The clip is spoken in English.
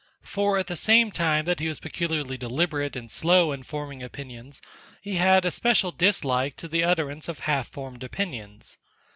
For at the same time that he was peculiarly delibe rate and slow in forming opinions, he had a special dislike to the utterance of half formed opinions.